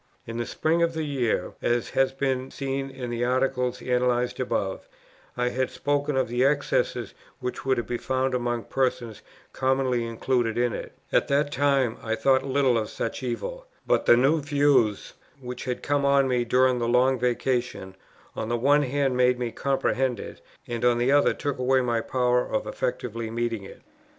In the spring of the year, as has been seen in the Article analyzed above, I had spoken of the excesses which were to be found among persons commonly included in it: at that time I thought little of such an evil, but the new views, which had come on me during the Long Vacation, on the one hand made me comprehend it, and on the other took away my power of effectually meeting it.